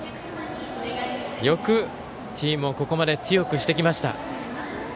よくチームをここまで強くしてきました。